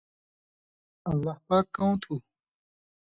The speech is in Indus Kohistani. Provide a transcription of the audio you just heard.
اللہ پاک کؤں تُھو؟